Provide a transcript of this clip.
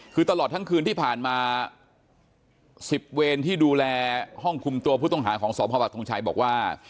คือตลอดทั้งคืนที่ผ่านมา๑๐เวรที่ดูแลห้องคุมตัวผู้ต้องหาของสพปักทงชัยบอกว่า